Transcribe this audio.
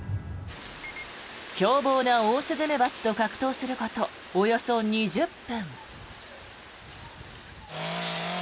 凶暴なオオスズメバチと格闘することおよそ２０分。